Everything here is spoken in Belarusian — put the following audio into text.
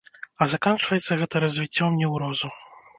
А заканчваецца гэта развіццём неўрозу.